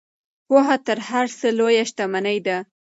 پوهه تر هر څه لویه شتمني ده.